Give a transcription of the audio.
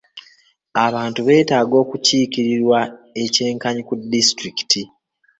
Abantu beetaaga okukiikirirwa eky'enkanyi ku disitulikiti .